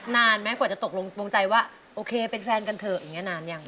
นานไหมกว่าจะตกลงใจว่าโอเคเป็นแฟนกันเถอะอย่างนี้นานยัง